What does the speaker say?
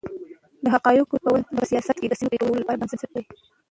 د حقایقو درک کول په سیاست کې د سمو پرېکړو لپاره بنسټ دی.